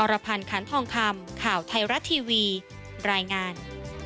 รพันธ์คันทองคำข่าวไทยรัฐทีวีรายงาน